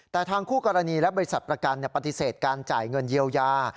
แต่ทางคู่กรณีและบริษัทประกันปฏิเสธการจ่ายเงินเยียวยา